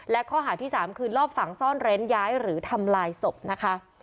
และข้อหาที่๓คือรอบฝังซ่อนเร้นย้ายหรือทำลายศพนะคะ